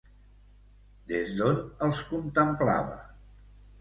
Des d'on els contemplava?